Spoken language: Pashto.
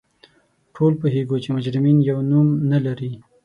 ټول پوهیږو چې مجرمین یو نوم نه لري